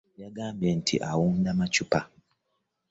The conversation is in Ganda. Yagambye nti awunda amaccupa .